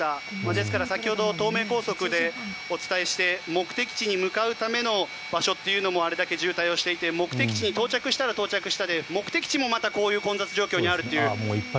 ですから先ほど東名高速でお伝えして目的地に向かうための場所というのもあれだけ渋滞していて目的地に到着したら到着したで目的地もこういう混雑状況にあるという。